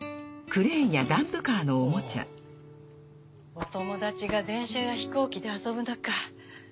お友達が電車や飛行機で遊ぶなか